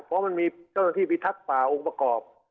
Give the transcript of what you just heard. เพราะมันมีเจ้าหน้าที่พิทักษ์ป่าองค์ประกอบ